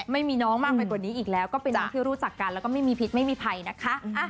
ไม่มีน้องมากไปกว่านี้อีกแล้วก็เป็นน้องที่รู้จักกันแล้วก็ไม่มีพิษไม่มีภัยนะคะ